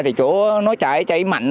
thì chỗ nó chảy chảy mạnh